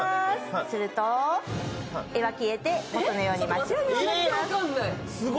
すると絵は消えて、元のように真っ白になります。